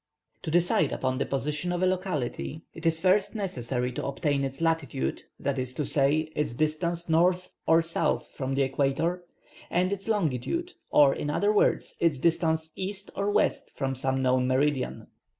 To decide upon the position of a locality it is first necessary to obtain its latitude, that is to say, its distance N. or S. from the equator, and its longitude, or in other words its distance E. or W. from some known meridian.